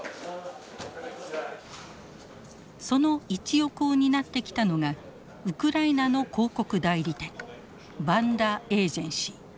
その一翼を担ってきたのがウクライナの広告代理店バンダ・エージェンシー。